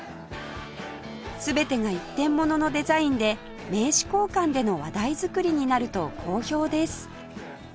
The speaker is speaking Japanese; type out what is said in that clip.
全てが一点物のデザインで名刺交換での話題作りになると好評です